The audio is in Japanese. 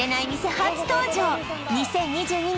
初登場２０２２年